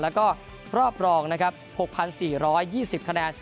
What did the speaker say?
แล้วก็รอบรองนะครับหกพันสี่ร้อยยี่สิบคะแนน